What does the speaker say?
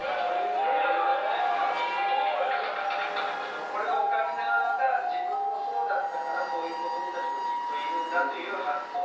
でもこれオカリナが自分もそうだったからそういう子どもたちもきっといるんだという発想だよね。